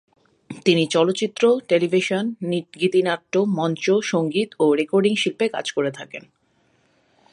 তিনি চলচ্চিত্র, টেলিভিশন, গীতিনাট্য, মঞ্চ, সঙ্গীত ও রেকর্ডিং শিল্পে কাজ করে থাকেন।